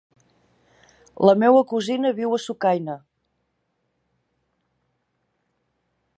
La meva cosina viu a Sucaina.